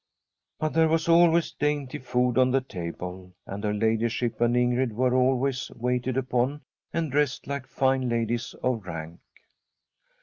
But there was always dainty food on the table, and her ladyship and Ingrid were always waited upon and dressed like fine ladies of rank.